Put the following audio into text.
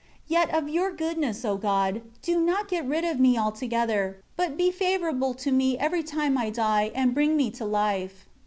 4 Yet of Your goodness, O God, do not get rid of me altogether; but be favorable to me every time I die, and bring me to life.